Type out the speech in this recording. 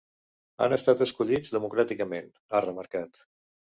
Han estat escollits democràticament, ha remarcat.